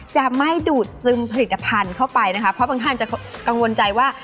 จะไม่ดูดซึมผลิตภัณฑ์เข้าไปนะคะเพราะบางท่านจะกังวลใจว่า